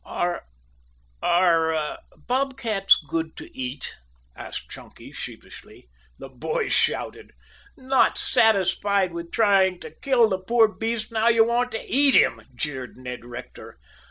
"Are are bob cats good to eat?" asked Chunky sheepishly. The boys shouted. "Not satisfied with trying to kill the poor beast, now you want to eat him," jeered Ned Rector.